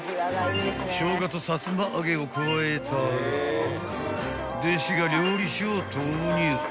［ショウガとさつま揚げを加えたら弟子が料理酒を投入］